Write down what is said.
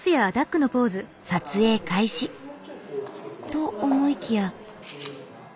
撮影開始と思いきや。